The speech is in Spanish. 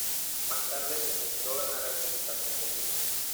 Más tarde se centró en la representación de niños.